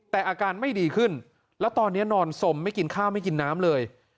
แต่อาการไม่ดีขึ้นแล้วตอนนี้นอนสมไม่กินข้าวไม่กินน้ำเลย